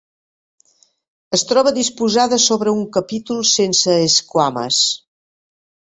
Es troba disposada sobre un capítol sense esquames.